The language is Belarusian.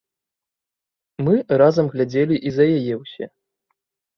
Мы разам глядзелі і за яе ўсе.